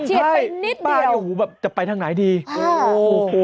ใช่พี่ป้านี้จะไปทางไหนดีโอ้โหโอ้โห